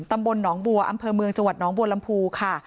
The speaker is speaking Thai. ตำบลหนองบัวอำเภอเมืองจังหวัดน้องบัวลำพูค่ะ